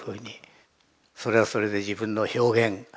それはそれで自分の表現。